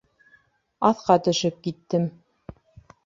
Аҫҡа төшөп киттем.